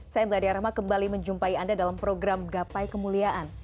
saya meladia rahma kembali menjumpai anda dalam program gapai kemuliaan